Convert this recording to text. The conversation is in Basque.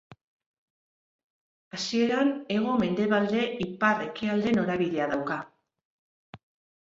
Hasieran hego-mendebalde ipar-ekialde norabidea dauka.